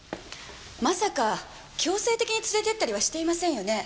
まさか強制的に連れて行ったりはしていませんよね？